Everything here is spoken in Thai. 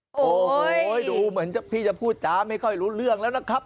โอ้โหดูเหมือนพี่จะพูดจ้าไม่ค่อยรู้เรื่องแล้วนะครับ